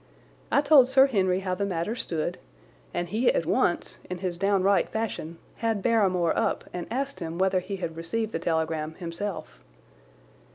I told Sir Henry how the matter stood, and he at once, in his downright fashion, had Barrymore up and asked him whether he had received the telegram himself.